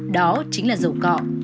đó chính là dầu cọ